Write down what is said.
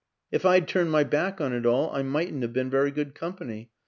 If I'd turned my back on it all, I mightn't have been very good com pany.